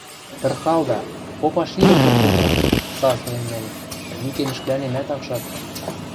— Тырхалда, попаш ирӹкӹм пуда! — саслем мӹнь, юкем ӹшкӹлӓнемӓт ак шакты.